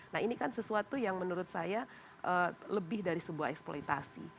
nah ini kan sesuatu yang menurut saya lebih dari sebuah eksploitasi